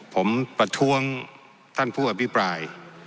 ผมประท้วงท่านผู้อภิปราย